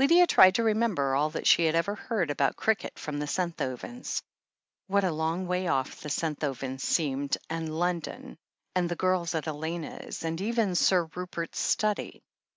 Lydia tried to remember all that she had ever heard about cricket from the Senthovens. What a long way off the Senthovens seemed — ^and London, and the girls at Elena's, and even Sir Rupert's study.